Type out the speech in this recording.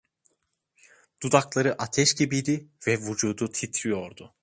Dudakları ateş gibiydi ve vücudu titriyordu.